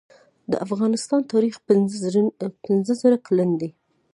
د افغانستان تاریخ پنځه زره کلن دی